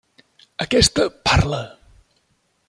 Aquesta parla.